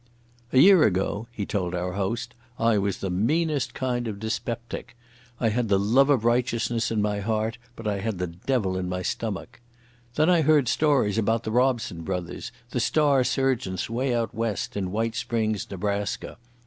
"A year ago," he told our host, "I was the meanest kind of dyspeptic. I had the love of righteousness in my heart, but I had the devil in my stomach. Then I heard stories about the Robson Brothers, the star surgeons way out west in White Springs, Nebraska.